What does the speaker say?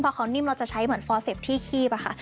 พอเขานิ่มเราจะใช้เหมือนฟอร์เซ็ปที่คีบอะค่ะ